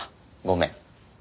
ごめん。